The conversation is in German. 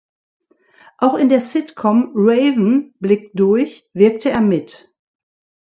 Auch in der Sitcom "Raven blickt durch" wirkte er mit.